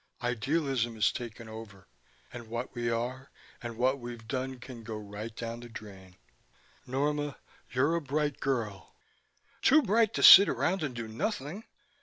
Idealism has taken over, and what we are and what we've done can go right on down the drain. Norma, you're a bright girl " "Too bright to sit around and do nothing!"